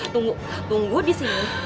tunggu tunggu disini